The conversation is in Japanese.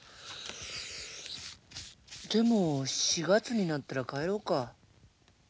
でも４月になったら帰ろうか。